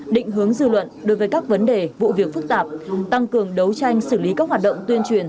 định hướng dư luận đối với các vấn đề vụ việc phức tạp tăng cường đấu tranh xử lý các hoạt động tuyên truyền